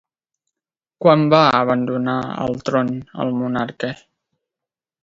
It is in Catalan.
Quan va abandonar el tron el monarca?